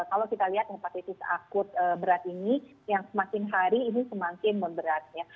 kalau kita lihat hepatitis akut berat ini yang semakin hari ini semakin memberatnya